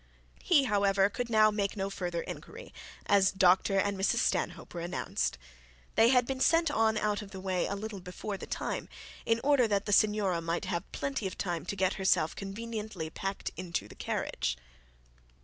He however could now make no further inquiry, as Dr and Mrs Stanhope were announced. They had been sent on out of the way a little before the time, in order that the signora might have plenty of time to get herself conveniently packed into the carriage.